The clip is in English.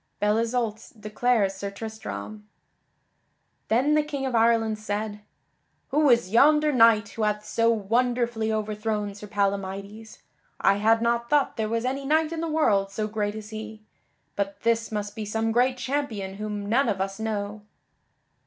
[Sidenote: Belle Isoult declares Sir Tristram] Then the King of Ireland said: "Who is yonder knight who hath so wonderfully overthrown Sir Palamydes? I had not thought there was any knight in the world so great as he; but this must be some great champion whom none of us know."